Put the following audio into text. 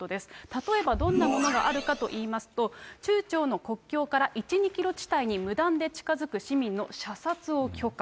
例えばどんなものがあるかといいますと、中朝の国境から１、２キロ地帯に無断で近づく市民の射殺を許可。